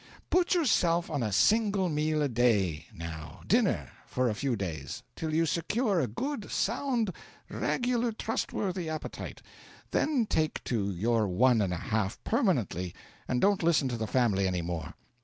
'Put yourself on a single meal a day, now dinner for a few days, till you secure a good, sound, regular, trustworthy appetite, then take to your one and a half permanently, and don't listen to the family any more.